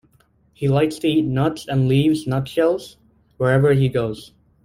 He likes to eat nuts and leaves nutshells wherever he goes.